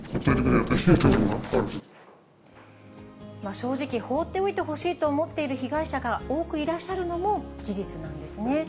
正直、放っておいてほしいという被害者の方も多くいらっしゃるのも事実なんですね。